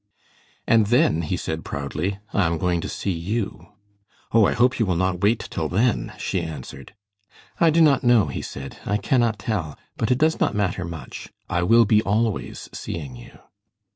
"And then," he said, proudly, "I am going to see you." "Oh, I hope you will not wait till then," she answered. "I do not know," he said. "I cannot tell, but it does not matter much. I will be always seeing you."